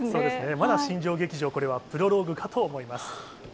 まだ新庄劇場、これはプロローグかと思います。